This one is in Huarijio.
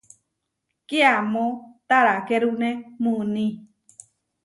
Kiamó tarakérune muuní.